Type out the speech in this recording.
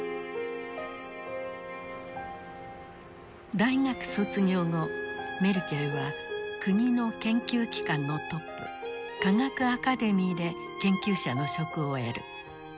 大学卒業後メルケルは国の研究機関のトップ科学アカデミーで研究者の職を得る。